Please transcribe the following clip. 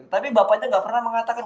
tapi bapaknya gak pernah mengatakan